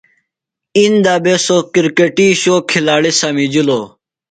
ایندا بھےۡ سوۡ کرکٹی شو کِھلاڑی سمِجِلوۡ۔